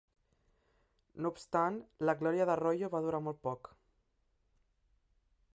No obstant, la glòria d'Arroyo va durant molt poc.